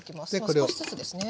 少しずつですね。